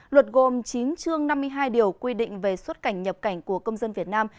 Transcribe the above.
luật gồm chín chương năm mươi hai điều quy định về xuất cảnh nhập cảnh của công dân việt nam